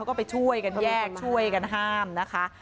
แล้วก็ไปช่วยกันแยกช่วยกันห้ามนะคะ